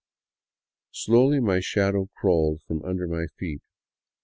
Slowly my shadow crawled from under my feet.